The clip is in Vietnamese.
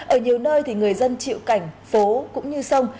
ở nhiều nơi thì người dân chịu cảnh phố cũng như sông